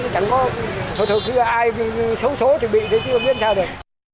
chẳng có thổ thực ai xấu xố thì bị chứ không biết sao được